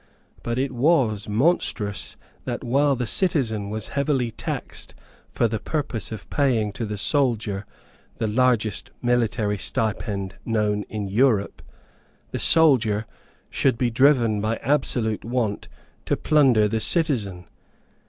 But it was monstrous that, while the citizen was heavily taxed for the purpose of paying to the soldier the largest military stipend known in Europe, the soldier should be driven by absolute want to plunder the citizen.